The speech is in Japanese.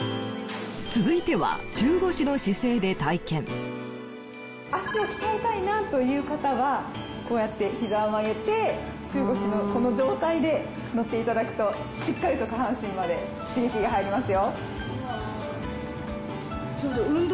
続いては脚を鍛えたいなという方はこうやってひざを曲げて中腰のこの状態で乗っていただくとしっかりと下半身まで刺激が入りますよ。